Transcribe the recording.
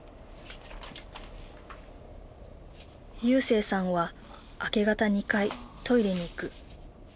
勇成さんは明け方２回トイレに行く。